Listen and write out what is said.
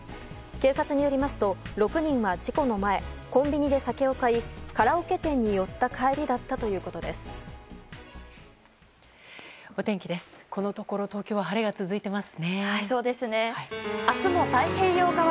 警察によりますと６人は事故の前コンビニで酒を買いカラオケ店に寄った帰りだったお天気です。